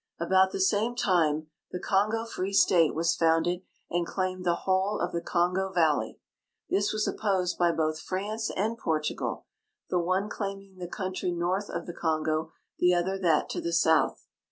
About the same time the Kongo Free State was founded and claimed the whole of the Kongo valley. This was opposed b}^ both France and Portugal, the one claiming the countiy north of the Kongo, the other that to the south.